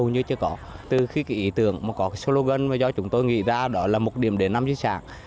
như chưa có từ khi cái ý tưởng mà có cái slogan mà do chúng tôi nghĩ ra đó là một điểm đến năm di sản